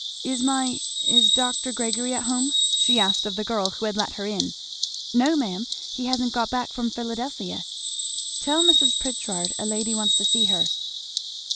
"Is my is Dr. Gregory at home?" she asked of the girl who had let her in. "No ma'am; he hasn't got back from Philadelphia." "Tell Mrs. Pritchard a lady wants to see her."